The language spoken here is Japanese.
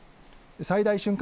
最大瞬間